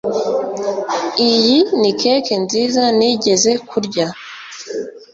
Iyi ni cake nziza nigeze kurya